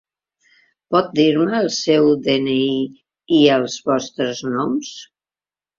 Pot dir-me el seu de-ena-i i els vostres noms?